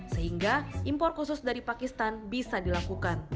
sehingga impor khusus dari pakistan bisa dilakukan